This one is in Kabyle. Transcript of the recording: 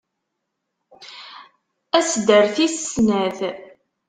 Ad as-d-terr tis snat.